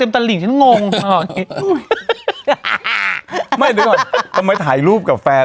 ไม่ดีกว่าต้องไปถ่ายรูปกับแฟน